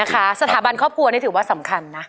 สถาบันครอบครัวนี่ถือว่าสำคัญนะ